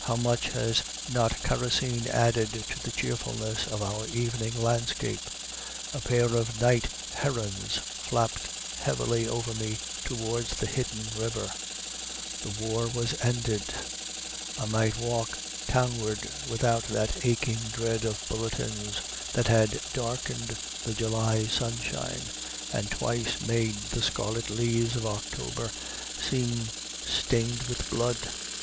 How much has not kerosene added to the cheerfulness of our evening landscape! A pair of night herons flapped heavily over me toward the hidden river. The war was ended. I might walk townward without that aching dread of bulletins that had darkened the July sunshine and twice made the scarlet leaves of October seem stained with blood.